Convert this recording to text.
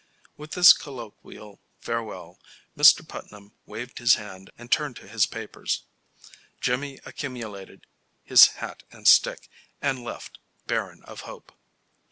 With this colloquial farewell Mr. Putnam waved his hand and turned to his papers. Jimmy accumulated his hat and stick, and left, barren of hope.